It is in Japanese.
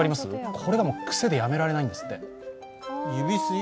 これが癖でやめられないんですって。